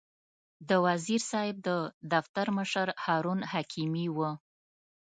د وزیر صاحب د دفتر مشر هارون حکیمي و.